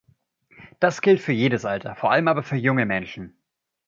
Das gilt für jedes Alter, vor allem aber für junge Menschen.